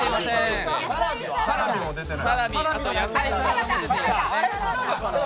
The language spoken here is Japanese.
サラミも出てない。